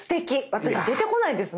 私出てこないです